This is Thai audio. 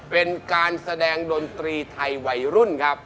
เป็นการแสดงดนตรีไทยวัยรุ่นครับ